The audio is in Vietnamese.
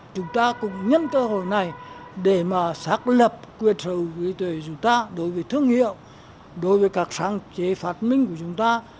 chúng ta cũng nhân cơ hội này để mà xác lập quyền sở hữu trí tuệ chúng ta đối với thương hiệu đối với các sáng chế phát minh của chúng ta